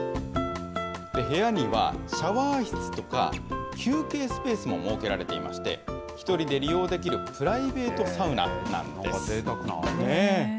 部屋には、シャワー室とか、休憩スペースも設けられていまして、１人で利用できるプライベートサウナなんです。